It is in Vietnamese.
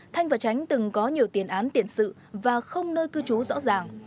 thanh và tránh từng có nhiều tiền án tiền sự và không nơi cư trú rõ ràng